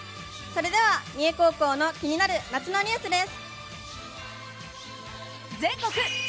それでは三重高校の気になる夏のニュースです。